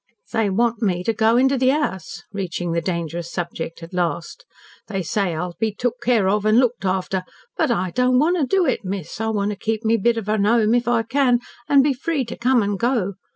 "They want me to go into the 'Ouse,'" reaching the dangerous subject at last. "They say I'll be took care of an' looked after. But I don't want to do it, miss. I want to keep my bit of a 'ome if I can, an' be free to come an' go.